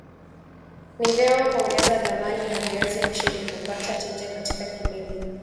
Ni vyema kuongeza dhamani ya viazi lishe ilikupata tija katika kilimo